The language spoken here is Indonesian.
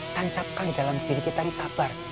tancapkan di dalam diri kita ini sabar